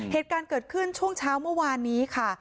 เหตุการณ์เกิดขึ้นช่วงเช้าเมื่อวานนี้ค่ะ